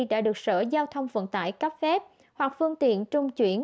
đã được sở giao thông vận tải cấp phép hoặc phương tiện trung chuyển